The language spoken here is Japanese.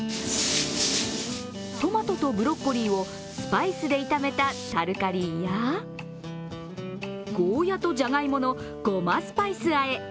トマトとブロッコリーをスパイスで炒めたタルカリーやゴーヤーとジャガイモのごまスパイスあえ